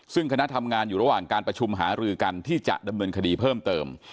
ซึ่งคณะทำงานอยู่ระหว่างการประชุมหารือกันที่จะดำเนินคดีเพิ่มเติม